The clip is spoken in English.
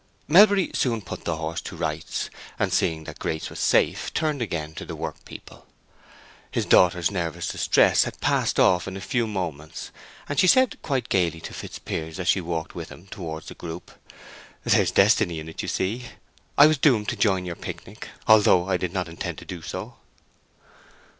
Melbury soon put the horse to rights, and seeing that Grace was safe, turned again to the work people. His daughter's nervous distress had passed off in a few moments, and she said quite gayly to Fitzpiers as she walked with him towards the group, "There's destiny in it, you see. I was doomed to join in your picnic, although I did not intend to do so."